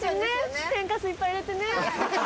天かすいっぱい入れてね。